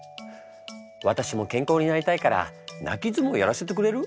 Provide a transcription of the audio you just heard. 私も健康になりたいから泣き相撲やらせてくれる？